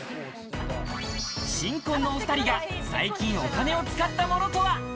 新婚のお２人が最近お金を使ったものとは？